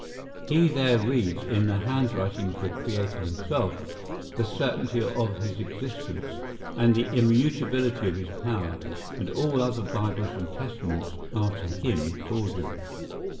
He there reads, in the hand writing of the Creator himself, the certainty of his existence, and the immutability of his power; and all other Bibles and Testaments are to him forgeries.